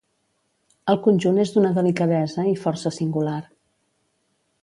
El conjunt és d'una delicadesa i força singular.